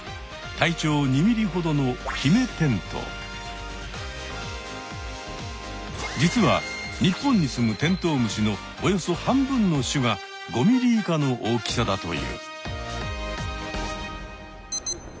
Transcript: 体長２ｍｍほどの実は日本にすむテントウムシのおよそ半分の種が５ｍｍ以下の大きさだという。